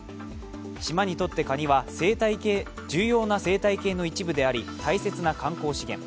島にとってカニは重要な生態系の一部であり、大切な観光資源。